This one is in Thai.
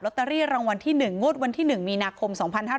ล็อตตารี่รางวัลที่๑งบวันที่๑มีนาคม๒๕๖๔